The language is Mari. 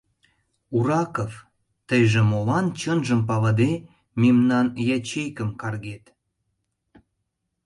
— Ураков, тыйже молан, чынжым палыде, мемнан ячейкым каргет?